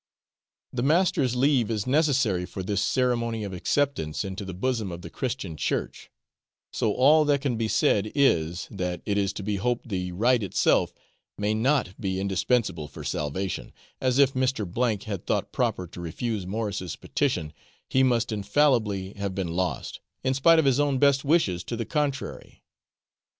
The master's leave is necessary for this ceremony of acceptance into the bosom of the Christian Church; so all that can be said is, that it is to be hoped the rite itself may not be indispensable for salvation, as if Mr. had thought proper to refuse Morris' petition, he must infallibly have been lost, in spite of his own best wishes to the contrary.